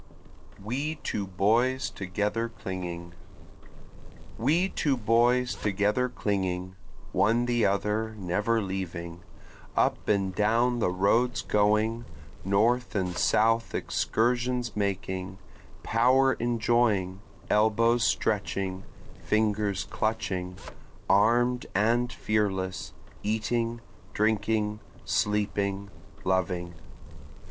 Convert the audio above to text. We Two Boys Together Clinging We two boys together clinging, One the other never leaving, Up and down the roads going, North and South excursions making, Power enjoying, elbows stretching, fingers clutching, Arm'd and fearless, eating, drinking, sleeping, loving.